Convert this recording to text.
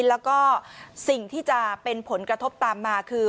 แล้วก็สิ่งที่จะเป็นผลกระทบตามมาคือ